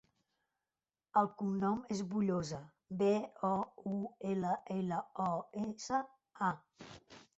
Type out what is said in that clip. El cognom és Boullosa: be, o, u, ela, ela, o, essa, a.